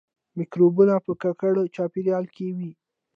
مکروبونه په ککړ چاپیریال کې وي